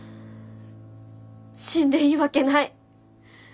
死んでいいわけない。